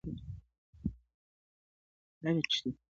یاره وتله که چيري د خدای خپل سوې.